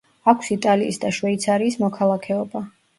აქვს იტალიის და შვეიცარიის მოქალაქეობა.